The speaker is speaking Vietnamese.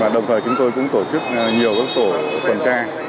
đồng thời chúng tôi cũng tổ chức nhiều tổ tuần tra